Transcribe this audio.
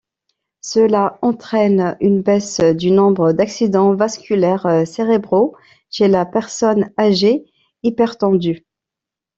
Cela entraîne une baisse du nombre d'accidents vasculaires cérébraux chez la personne âgée hypertendue.